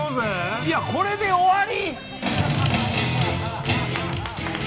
いや、これで終わり？